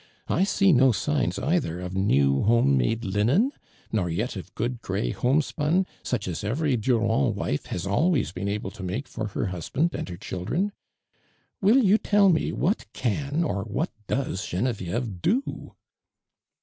I see no signs either of new home made linen, nor yet of good gray homespun, such as eveiy Buivind wife has always been able to make for her husband and her children. Will vou tell me what can or what does Oenevieve •vio?"'